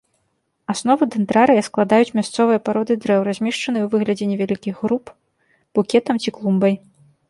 Аснову дэндрарыя складаюць мясцовыя пароды дрэў, размешчаныя ў выглядзе невялікіх груп, букетам ці клумбай.